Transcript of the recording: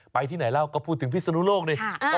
ไปที่ไหนแล้วก็พูดถึงพิษนุโลกเลยครับ